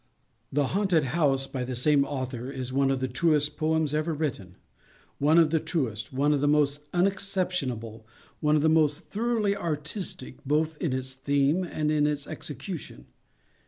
"The Haunted House," by the same author, is one of the truest poems ever written,—one of the truest, one of the most unexceptionable, one of the most thoroughly artistic, both in its theme and in its execution.